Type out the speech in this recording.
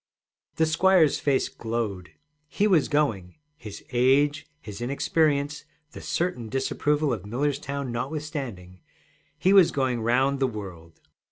The squire's face glowed. He was going his age, his inexperience, the certain disapproval of Millerstown notwithstanding he was going round the world!